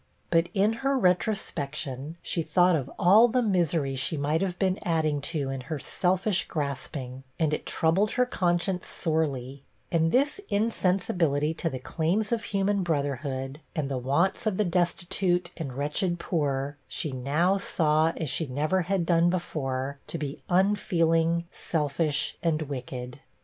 But, in her retrospection, she thought of all the misery she might have been adding to, in her selfish grasping, and it troubled her conscience sorely; and this insensibility to the claims of human brotherhood, and the wants of the destitute and wretched poor, she now saw, as she never had done before, to be unfeeling, selfish and wicked.